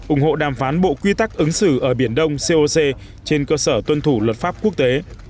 ủng hộ đàm phán bộ quy tắc ứng xử ở biển đông coc trên cơ sở tuân thủ luật pháp quốc tế